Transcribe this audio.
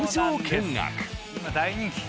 今大人気。